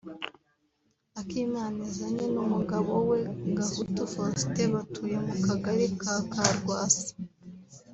Akimanizanye n’umugabo we Gahutu Faustin batuye mu Kagari ka Karwasa